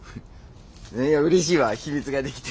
何やうれしいわ秘密ができて。